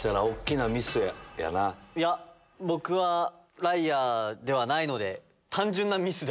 いや僕はライアーではないので。